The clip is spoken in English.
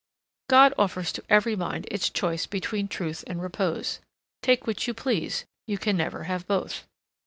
God offers to every mind its choice between truth and repose. Take which you please,—you can never have both.